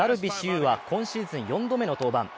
有は今シーズン４度目の登板。